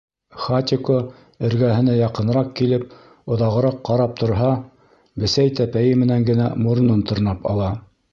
Хатико эргәһенә яҡыныраҡ килеп оҙағыраҡ ҡарап торһа, бесәй тәпәйе менән генә моронон тырнап ала.